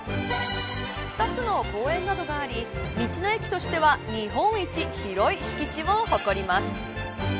２つの公園などがあり道の駅としては日本一広い敷地を誇ります。